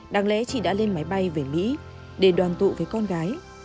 đáng lẽ chị đã lên máy bay về mỹ để đoàn tụ với con gái